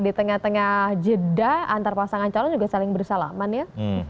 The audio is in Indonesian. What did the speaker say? di tengah tengah jeda antar pasangan calon juga saling bersalaman ya